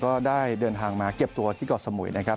ก็ได้เดินทางมาเก็บตัวที่เกาะสมุยนะครับ